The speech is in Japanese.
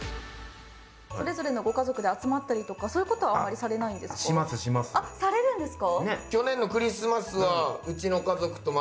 それぞれのご家族で集まったりとかそういうことはされないんですか？